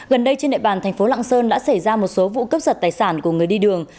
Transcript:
gần đây trên địa bàn thành phố lạng sơn đã xảy ra một số vụ cướp giật tài sản của người đi đường